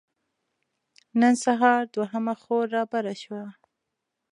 نن سهار دوهمه خور رابره شوه.